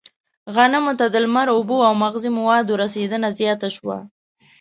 غنمو ته د لمر، اوبو او مغذي موادو رسېدنه زیاته شوه.